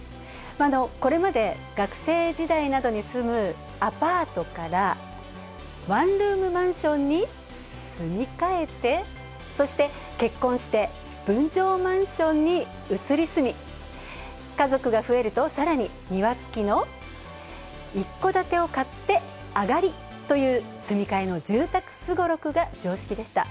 これまで、学生時代などに住むアパートから、ワンルームマンションに住み替えて、そして、結婚して分譲マンションに移り住み家族が増えると、さらに、庭付きの一戸建てを買って、あがりという住み替えの住宅すごろくが常識でした。